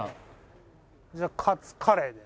じゃあカツカレーで。